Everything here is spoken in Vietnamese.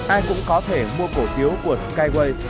ai cũng có thể mua cổ phiếu của skyway